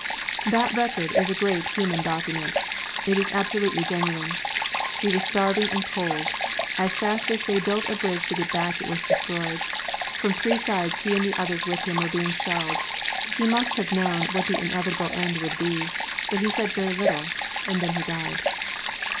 That record is a great human document. It is absolutely genuine. He was starving and cold. As fast as they built a bridge to get back it was destroyed. From three sides he and the others with him were being shelled. He must have known what the inevitable end would be. But he said very little. And then he died.